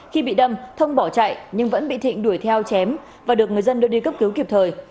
khi bị đâm thông bỏ chạy nhưng vẫn bị thịnh đuổi theo chém và được người dân đưa đi cấp cứu kịp thời